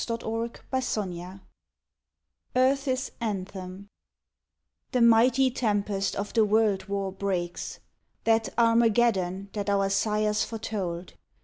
120 ON THE GREAT WAR EARTH S ANTHEM The mighty tempest of the world war breaks That Armageddon that our sires foretold.